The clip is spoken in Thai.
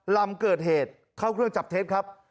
ลำเกิดเหตุเข้าเครื่องจับเท็จครับ